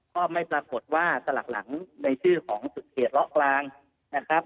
ก็ไม่ปรากฏว่าสลักหลังในชื่อของสุดเขตเลาะกลางนะครับ